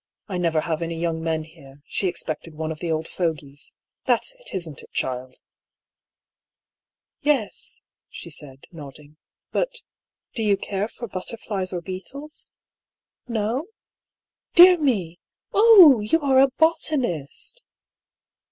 I never have any young men here ; she expected one of the old fogies. That's it, isn't it, child ?"" Yes," she said, nodding. " But — do you care for butterflies or beetles ? No ? Dear me I Oh, you are a botanist